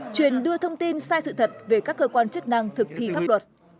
truyền đưa thông tin sai sự thật về các cơ quan chức năng thực thi pháp luật